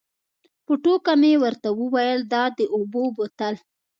په ټوکه مې ورته وویل دا د اوبو بوتل.